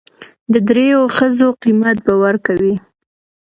د درېو ښځو قيمت به ور کوي.